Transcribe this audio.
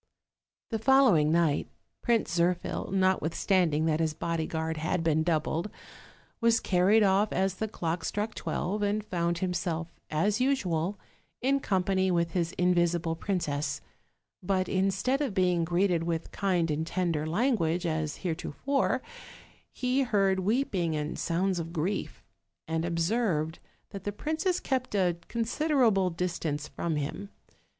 The following night Prince Zirphil, notwithstanding that his bodyguard had been doubled, was carried off as the clock struck twelve, and found himself, as usual, in company with his invisible princess; but instead of being greeted with kind and tender language, as heretofore, he heard weeping and sounds of griei, and observed that the princess kept a considerable distance from him.